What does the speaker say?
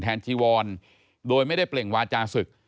จีวรโดยไม่ได้เปล่งวาจาศึก